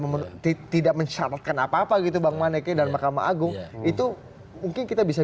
memenuhi tidak mencaratkan apa apa gitu bang manek dan mahkamah agung itu mungkin kita bisa